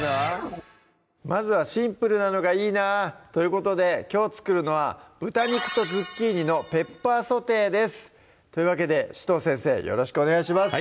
まずはシンプルなのがいいなということできょう作るのは「豚肉とズッキーニのペッパーソテー」ですというわけで紫藤先生よろしくお願いします